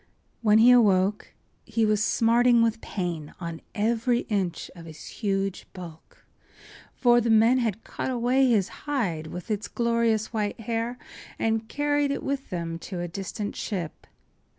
When he awoke he was smarting with pain on every inch of his huge bulk, for the men had cut away his hide with its glorious white hair and carried it with them to a distant ship.